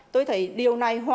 tôi thấy điều này hoàn toàn